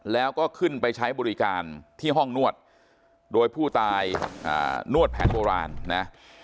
แล้วก็ขึ้นไปใช้บริการที่ห้องนวดโดยผู้ตายนวดแผนโบราณนะ